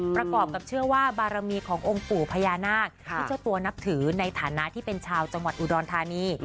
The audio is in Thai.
กับเชื่อว่าบารมีขององค์ปู่พญานาคที่เจ้าตัวนับถือในฐานะที่เป็นชาวจังหวัดอุดรธานี